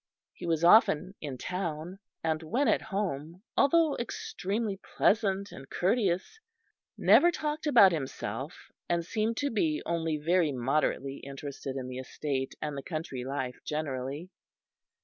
He was often in town, and when at home, although extremely pleasant and courteous, never talked about himself and seemed to be only very moderately interested in the estate and the country life generally.